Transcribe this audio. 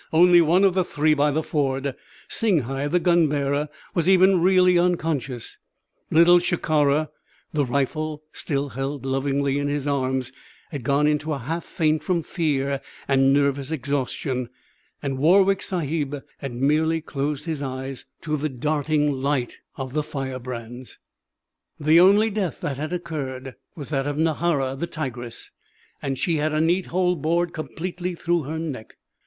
Only one of the three by the ford, Singhai, the gun bearer, was even really unconscious; Little Shikara, the rifle still held lovingly in his arms, had gone into a half faint from fear and nervous exhaustion, and Warwick Sahib had merely closed his eyes to the darting light of the firebrands. The only death that had occurred was that of Nahara the tigress and she had a neat hole bored completely through her neck.